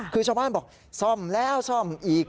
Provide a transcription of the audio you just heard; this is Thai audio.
คือชาวบ้านบอกซ่อมแล้วซ่อมอีก